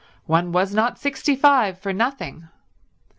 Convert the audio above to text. One was not sixty five for nothing.